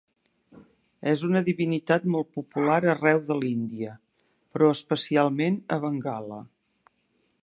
És una divinitat molt popular arreu de l'Índia, però especialment a Bengala.